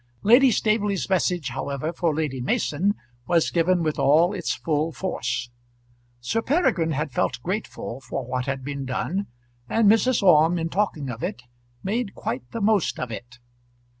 Lady Staveley's message, however, for Lady Mason was given with all its full force. Sir Peregrine had felt grateful for what had been done, and Mrs. Orme, in talking of it, made quite the most of it.